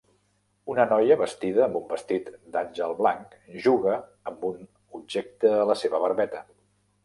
Una noia vestida amb un vestit d'àngel blanc juga amb un objecte a la seva barbeta.